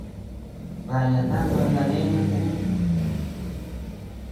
Daya ta Magdalena ú.